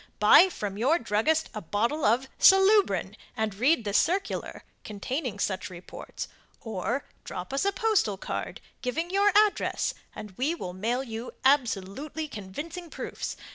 Buy from your druggist a bottle of SALUBRIN, and read the circular, containing such reports; or drop us a postal card, giving your address, and we will mail you absolutely convincing proofs.